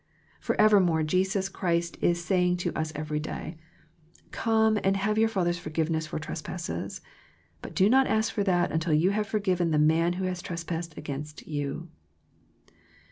For evermore Jesus Christ is saying to us every day, " Come and have your Father's forgiveness for trespasses, but do not ask for that until you have forgiven the man who has trespassed against you."